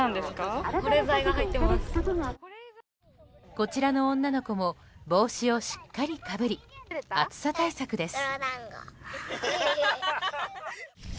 こちらの女の子も帽子をしっかりかぶり暑さ対策です。